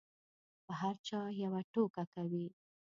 په هر چا یوه ټوکه کوي.